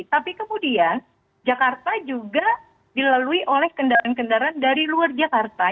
tapi kemudian jakarta juga dilalui oleh kendaraan kendaraan dari luar jakarta